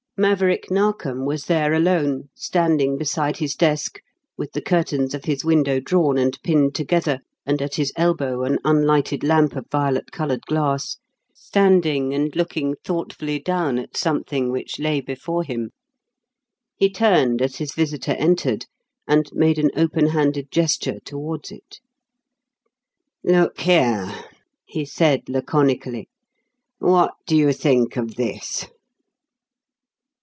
Maverick Narkom was there alone, standing beside his desk, with the curtains of his window drawn and pinned together, and at his elbow an unlighted lamp of violet coloured glass, standing and looking thoughtfully down at something which lay before him. He turned as his visitor entered and made an open handed gesture toward it. "Look here," he said laconically, "what do you think of this?"